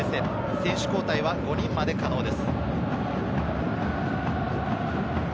選手交代は５人まで可能です。